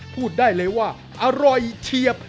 พูดได้เลยว่าอร่อยเฉียบ